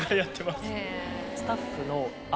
スタッフの。